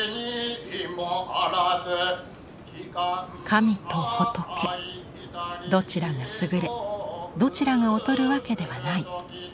神と仏どちらが優れどちらが劣るわけではない。